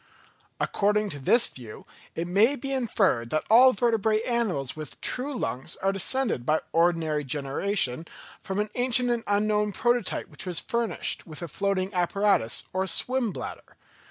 According to this view it may be inferred that all vertebrate animals with true lungs are descended by ordinary generation from an ancient and unknown prototype which was furnished with a floating apparatus or swim bladder.